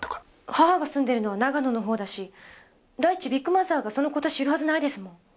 母が住んでるのは長野の方だし第一ビッグマザーがその事知るはずないですもん。